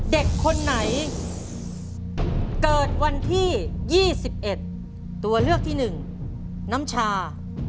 เด็กคนไหนเกิดวันที่๒๑ตัวเลือกที่๑น้ำชา